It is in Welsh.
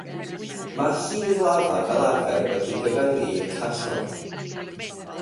Mae llif lafa fel arfer wedi'i gyfyngu i'r callor.